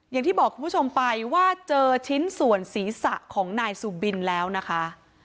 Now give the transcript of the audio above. อย่างที่บอกคุณผู้ชมไปว่าเจอชิ้นส่วนศีรษะของนายสุบินแล้วนะคะ